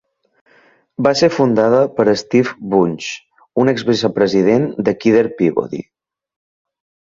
Va ser fundada per Steve Wunsch, un exvicepresident de Kidder Peabody.